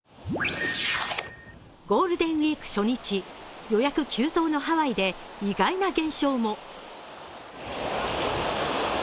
ゴールデンウイーク初日、予約急増のハワイで意外な現象も。